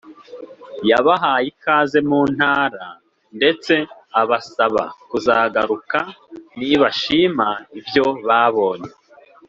yabahaye ikaze mu Ntara ndetse abasaba kuzagaruka nibashima ibyo babonye